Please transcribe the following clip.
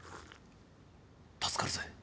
助かるぜ。